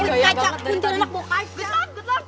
kuntilanak bawa kaca